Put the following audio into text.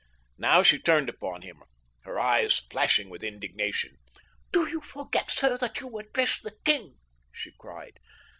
Now she turned upon him, her eyes flashing with indignation. "Do you forget, sir, that you address the king?" she cried.